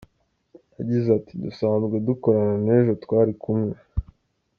Yagize ati “Dusanzwe dukorana n’ejo twari kumwe.